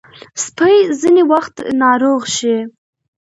سپي ځینې وخت ناروغ شي.